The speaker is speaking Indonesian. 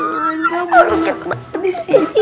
lukman gak mau ke tempat pedes itu